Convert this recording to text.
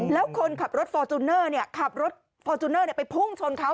แล้วคนขับรถฟอร์จูเนอร์ขับรถฟอร์จูเนอร์ไปพุ่งชนเขา